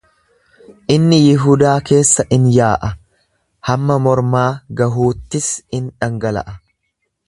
Inni Yihudaa keessa in yaa'a, hamma mormaa gahuuttis in dhangala'a.